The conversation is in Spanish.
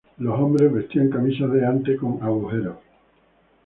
Los hombres vestían camisas de ante con agujeros.